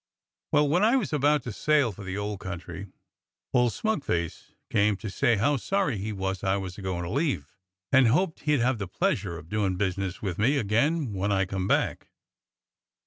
Well, when I was about to sail for the old country, old smug face came to say how sorry he was I was a goin' to leave, and hoped he'd have the pleasure of doin' business with me again when I come back.